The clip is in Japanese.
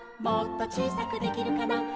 「もっとちいさくできるかな」